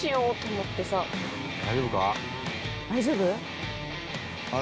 大丈夫か？